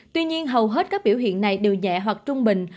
tuy nhiên hầu hết các biểu hiện này đều nhẹ hoặc trung bình